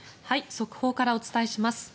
速報からお伝えします。